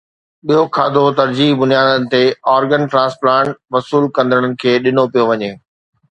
ٻيو کاڌو ترجيحي بنيادن تي آرگن ٽرانسپلانٽ وصول ڪندڙن کي ڏنو پيو وڃي